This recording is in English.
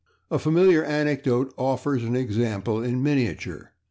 A familiar anecdote offers an example in miniature.